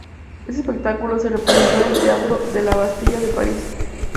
Este espectáculo se representó en el Teatro de la Bastilla de París.